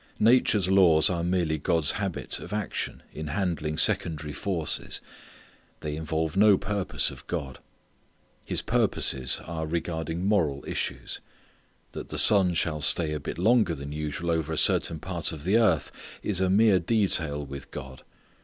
Nature's laws are merely God's habit of action in handling secondary forces. They involve no purpose of God. His purposes are regarding moral issues. That the sun shall stay a bit longer than usual over a certain part of the earth is a mere detail with God.